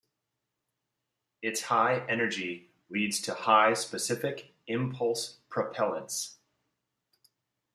Its high energy leads to high specific impulse propellants.